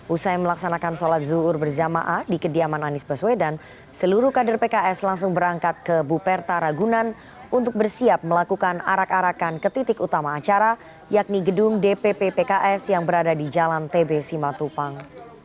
usai melaksanakan sholat zuhur berjamaah di kediaman anies baswedan seluruh kader pks langsung berangkat ke buperta ragunan untuk bersiap melakukan arak arakan ke titik utama acara yakni gedung dpp pks yang berada di jalan tb simatupang